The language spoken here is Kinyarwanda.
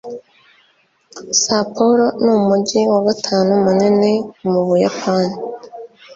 sapporo n'umujyi wa gatanu munini mu buyapani